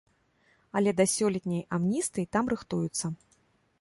Але да сёлетняй амністыі там рыхтуюцца.